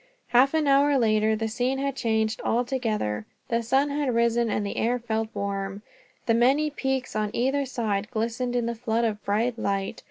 Half an hour later the scene had changed altogether. The sun had risen, and the air felt warm. The many peaks on either side glistened in the flood of bright light.